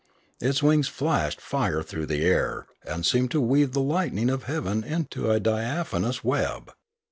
Its wings flashed fire through the air and seemed to weave the lightnings of heaven into a diaphanous web.